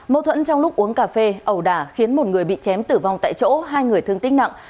mâu thuẫn trong lúc uống cà phê ẩu đả khiến một người bị chém tử vong tại chỗ hai người thương tích nặng